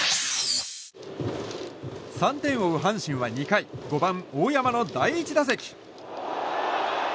３点を追う阪神は２回５番、大山の第１打席。